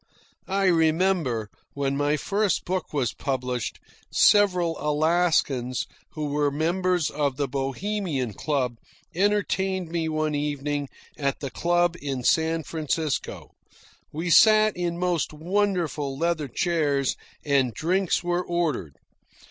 I remember, when my first book was published, several Alaskans, who were members of the Bohemian Club, entertained me one evening at the club in San Francisco. We sat in most wonderful leather chairs, and drinks were ordered.